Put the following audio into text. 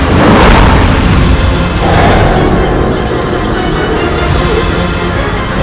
tidak mungkin aku hanya berdiam diri di sini ibu nda